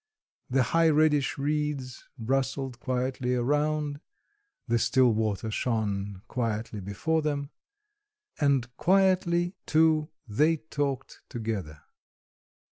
The high reddish reeds rustled quietly around, the still water shone quietly before them, and quietly too they talked together.